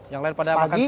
yang lain pada makan siang